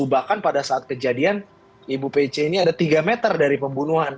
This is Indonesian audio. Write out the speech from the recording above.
bahkan pada saat kejadian ibu pc ini ada tiga meter dari pembunuhan